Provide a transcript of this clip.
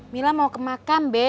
mila mau kemakam be